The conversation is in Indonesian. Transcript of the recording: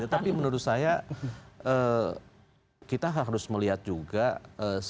tapi menurut saya kita harus melihat juga safari politik ini dalam hal ini